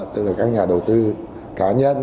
tức là các nhà đầu tư cá nhân